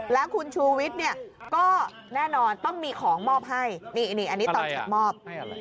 แล้วคุณชูวิทย์เนี่ยก็แน่นอนต้องมีของมอบให้นี่อันนี้ตอนฉันมอบ